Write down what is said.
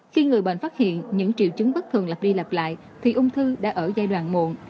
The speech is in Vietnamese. khi người bệnh phát hiện những triệu chứng bất thường lp đi lặp lại thì ung thư đã ở giai đoạn muộn